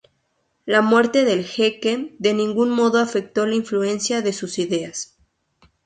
La muerte del jeque de ningún modo afectó la influencia de sus ideas.